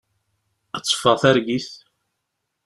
Ad d-teffeɣ targit.